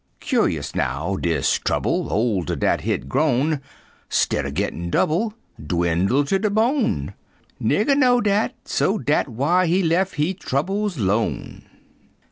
Cur'ous, now, dis trouble Older dat hit grown, 'Stid er gittin' double, Dwinnle ter de bone; Nigger know dat, so dat why he lef' he troubles 'lone.